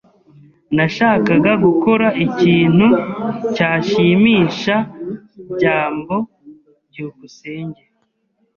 Nashakaga gukora ikintu cyashimisha byambo. byukusenge